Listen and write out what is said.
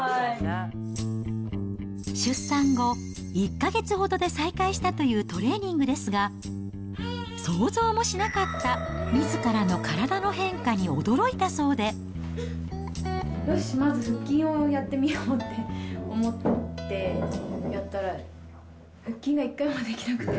出産後、１か月ほどで再開したというトレーニングですが、想像もしなかった、みずからよし、まず腹筋をやってみようって思ってやったら、腹筋が１回もできなくて。